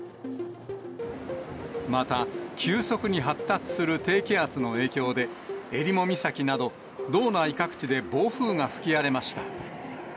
また、急速に発達する低気圧の影響で、えりも岬など、道内各地で暴風が吹き荒れました。